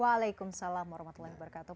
waalaikumsalam warahmatullahi wabarakatuh